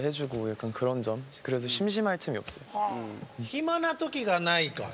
暇な時がないか。